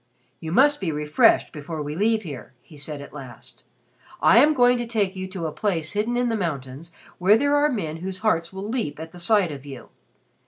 "You must be refreshed before we leave here," he said at last. "I am going to take you to a place hidden in the mountains where there are men whose hearts will leap at the sight of you.